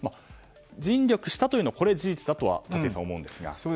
尽力したというのは事実だと思うんですが。